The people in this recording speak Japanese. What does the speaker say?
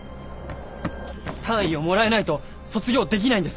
単位をもらえないと卒業できないんです。